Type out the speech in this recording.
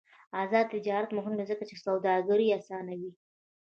آزاد تجارت مهم دی ځکه چې سوداګري اسانوي.